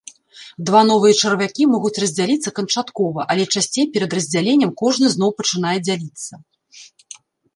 Два новыя чарвякі могуць раздзяліцца канчаткова, але часцей перад раздзяленнем кожны зноў пачынае дзяліцца.